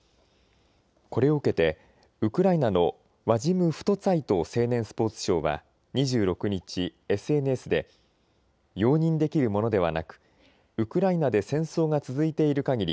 これを受けてウクライナのワジム・フトツァイト青年スポーツ相は２６日ＳＮＳで容認できるものではなくウクライナで戦争が続いているかぎり